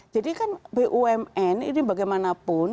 jadi kan bumn ini bagaimana pun